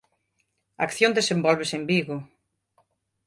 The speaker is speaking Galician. A acción desenvólvese en Vigo.